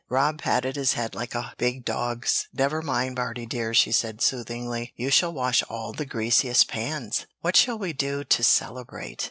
Rob patted his head like a big dog's. "Never mind, Bartie dear," she said, soothingly, "you shall wash all the greasiest pans!" "What shall we do to celebrate?"